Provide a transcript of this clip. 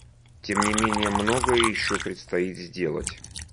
Тем не менее, многое еще предстоит сделать.